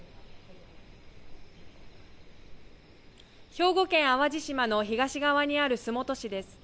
兵庫県淡路島の東側にある洲本市です。